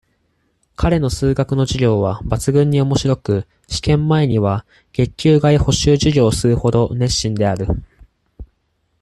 彼の数学の授業は、抜群に面白く、試験前には、月給外補習授業をするほど、熱心である。